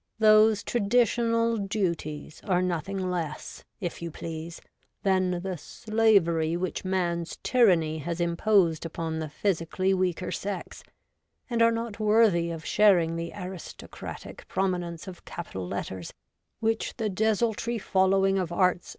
Those traditional duties are nothing less, if you please, than the slavery which man's tyranny has imposed upon the physically weaker sex, and are not worthy of sharing the aristocratic prominence of capital letters which the desultory following of arts 46 REVOLTED WOMAN.